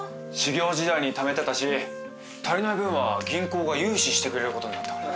修業時代にためてたし足りない分は銀行が融資してくれることになった。